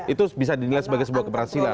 itu bisa dinilai sebagai sebuah keberhasilan